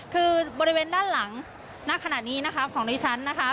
คือบริเวณด้านหลังณขณะนี้นะคะของดิฉันนะคะ